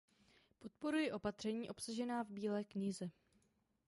Podporuji opatření obsažená v bílé knize.